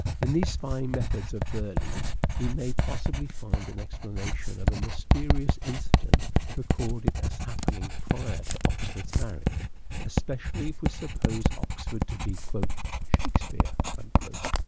In these spying methods of Burleigh's we may possibly find an explanation of a mysterious incident recorded as happening prior to Oxford's marriage, especially if we suppose Oxford to be " Shakespeare."